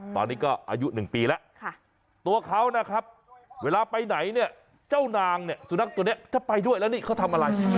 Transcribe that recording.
ตอนนี้ก็อายุ๑ปีแล้วตัวเขานะครับเวลาไปไหนเนี่ยเจ้านางเนี่ยสุนัขตัวนี้จะไปด้วยแล้วนี่เขาทำอะไร